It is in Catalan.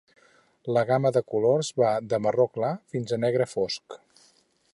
La gama de colors va de marró clar fins a negre fosc.